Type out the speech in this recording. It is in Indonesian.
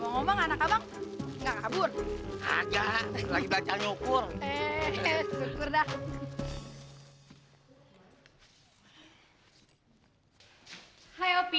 buseng nganterin doang baterai apa ya lupa lupa